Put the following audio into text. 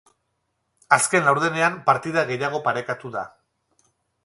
Azken laurdenean, partida gehiago parekatu da.